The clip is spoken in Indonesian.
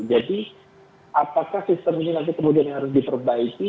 apakah sistem ini nanti kemudian yang harus diperbaiki